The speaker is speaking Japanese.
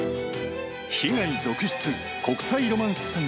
被害続出、国際ロマンス詐欺。